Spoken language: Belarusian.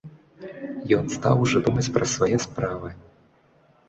Ён стаў ужо думаць пра свае справы.